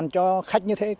ba cho khách như thế